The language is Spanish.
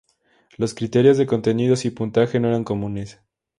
Los criterios de contenidos y puntaje no eran comunes.